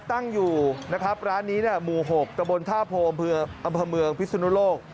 ตั้งอยู่นะครับร้านนี้หมู่๖ตะบนท่าโพอำเภอเมืองพิศนุโลก